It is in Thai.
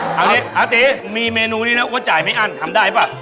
เอาท่านกินป่ะเอาดิอาติมีเมนูร่วมอัวจ่ายไม่อั้นทำได้ป่ะ